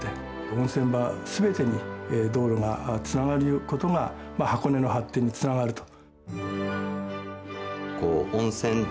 温泉場全てに道路がつながることがまぁ箱根の発展につながると。